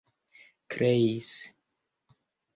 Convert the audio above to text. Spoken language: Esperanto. kreis